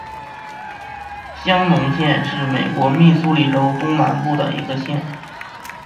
香农县是美国密苏里州东南部的一个县。